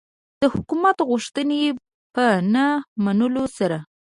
د حکومت غوښتنې په نه منلو سره.